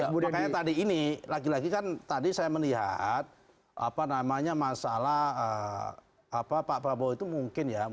ya makanya tadi ini lagi lagi kan tadi saya melihat apa namanya masalah pak prabowo itu mungkin ya